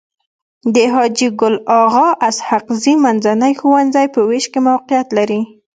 د حاجي ګل اغا اسحق زي منځنی ښوونځی په ويش کي موقعيت لري.